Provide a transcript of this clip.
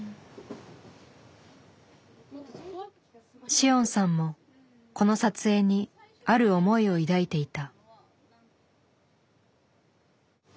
紫桜さんもこの撮影にある思いを抱いていた。